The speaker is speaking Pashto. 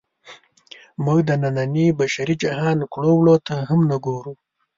موږ د ننني بشري جهان کړو وړو ته هم نه ګورو.